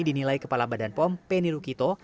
kemudian pembedahan vaksinnya